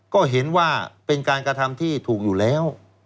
ก็เห็นว่าเป็นการกระทำที่ถูกอยู่แล้ว